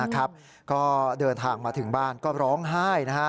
ก็เดินทางมาถึงบ้านก็ร้องไห้